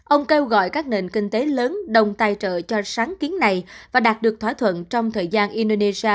ông kêu gọi các nền kinh tế lớn đồng tài trợ cho sáng kiến này và đạt được thỏa thuận trong thời gian indonesia